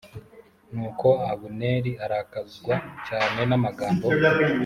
Nuko abuneri arakazwa cyane n amagambo